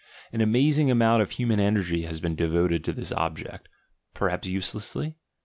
An amazing amount of human energy has been devoted to this object — perhaps uselessly?